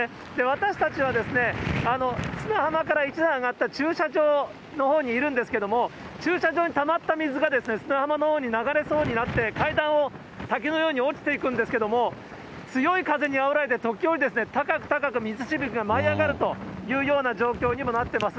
私たちは砂浜から一段上がった駐車場のほうにいるんですけれども、駐車場にたまった水が砂浜のほうに流れそうになって階段を滝のように落ちていくんですけれども、強い風にあおられて、時折、高く高く水しぶきが舞い上がるというような状況にもなってます。